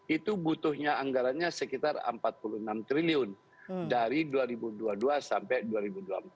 itu butuhnya anggarannya sekitar empat puluh enam triliun dari dua ribu dua puluh dua sampai dua ribu dua puluh empat